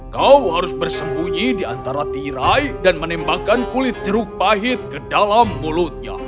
kau harus bersembunyi di antara tirai dan menembakkan kulit jeruk pahit ke dalam mulutnya